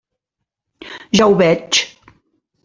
Ja ho veig.